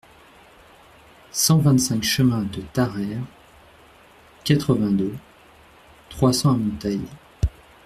cent vingt-cinq chemin de Tarayre, quatre-vingt-deux, trois cents à Monteils